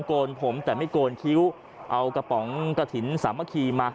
โกนผมแต่ไม่โกนคิ้วเอากระป๋องกระถิ่นสามัคคีมา